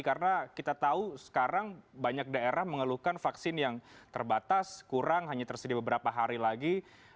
karena kita tahu sekarang banyak daerah mengeluhkan vaksin yang terbatas kurang hanya tersedia beberapa hari lagi